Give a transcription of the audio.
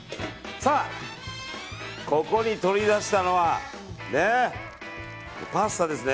さあ、ここに取り出したのはパスタですね。